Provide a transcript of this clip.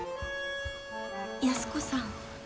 ・安子さん。